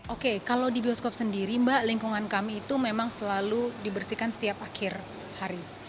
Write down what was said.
oke kalau di bioskop sendiri mbak lingkungan kami itu memang selalu dibersihkan setiap akhir hari